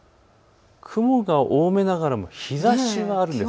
雲が多めながらも日ざしはあるんです。